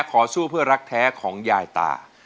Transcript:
ขอสู้เพื่อรักแท้ของยายตา